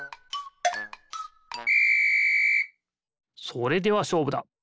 それではしょうぶだ！